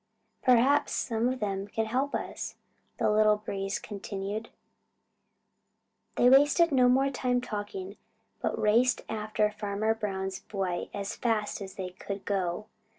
Perhaps some of them can help us," the Little Breeze continued. They wasted no more time talking, but raced after Farmer Brown's boy as fast as they could go.